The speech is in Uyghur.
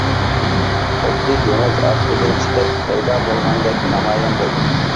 خۇددى دېڭىز ئاستىدىن چىقىپ پەيدا بولغاندەك نامايان بولدى.